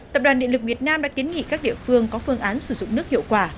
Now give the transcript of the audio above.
tập đoàn điện lực việt nam đã kiến nghị các địa phương có phương án sử dụng nước hiệu quả